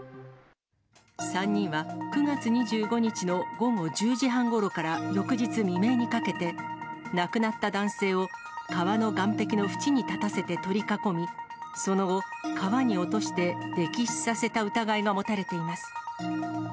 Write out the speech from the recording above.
３人は９月２５日の午後１０時半ごろから翌日未明にかけて、亡くなった男性を川の岸壁の縁に立たせて取り囲み、その後、川に落として溺死させた疑いが持たれています。